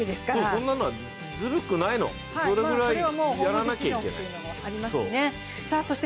そんなのはずるくないの、そのぐらいやらなきゃいけない。